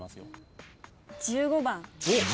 １５番。